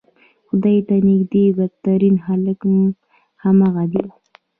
خدای ته نږدې بدترین خلک همغه دي.